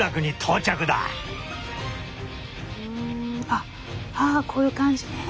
あっあこういう感じね。